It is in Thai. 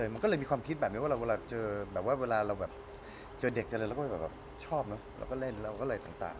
มันก็เลยมีความคิดแบบอะไรเวลาเจอเด็กต่างเราก็เลยใจแบบชอบเราก็เล่นเราก็เล่นต่าง